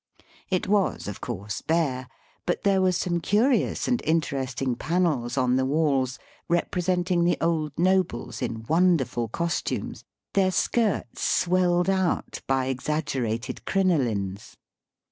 It was of course bare, but there were some curious and interesting panels on the walls representing the old nobles in wonder ful costumes, their skirts swelled out by exag gerated crinolines.